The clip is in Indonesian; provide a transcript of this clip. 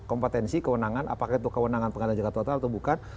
kompetensi kewenangan apakah itu kewenangan pengadilan jakarta total atau bukan